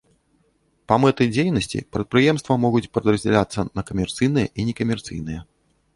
Па мэты дзейнасці прадпрыемства могуць падраздзяляцца на камерцыйныя і некамерцыйныя.